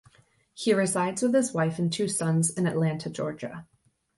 He resides with his wife and two sons in Atlanta, Georgia.